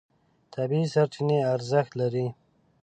طبیعي سرچینې ارزښت لري.